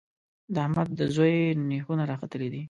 د احمد د زوی نېښونه راختلي دي.